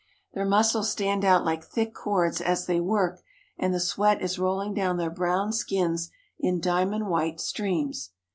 Their muscles stand out like thick cords as they work, and the sweat is rolling down their brown skins in diamond white streams.